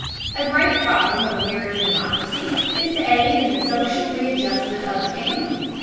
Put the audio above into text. A great problem of American democracy is to aid in the social readjustment of the family.